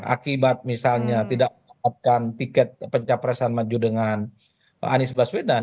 akibat misalnya tidak mendapatkan tiket pencapresan maju dengan anies baswedan